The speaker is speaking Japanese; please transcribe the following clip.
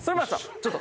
ちょっと。